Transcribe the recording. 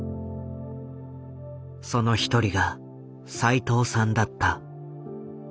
その一人が斉藤さんだった。